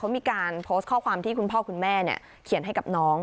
เขามีการโพสต์ข้อความที่คุณพ่อคุณแม่เขียนให้กับน้อง